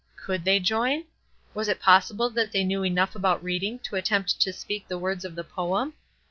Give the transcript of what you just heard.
Could they join? Was it probable that they knew enough about reading to attempt to speak the words of the poem?